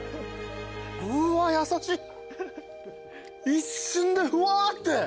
一瞬でふわって。